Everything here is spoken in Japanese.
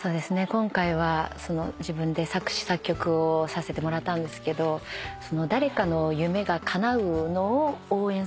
今回は自分で作詞作曲をさせてもらったんですけど誰かの夢がかなうのを応援する人の歌を作りました。